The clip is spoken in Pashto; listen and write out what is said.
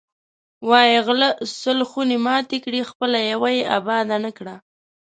وایی غله سل خونې ماتې کړې، خپله یوه یې اباده نه کړه.